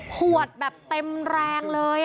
ขวดแบบเต็มแรงเลย